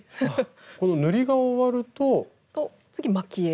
この塗りが終わると。と次蒔絵。